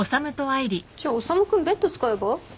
じゃあ修君ベッド使えば？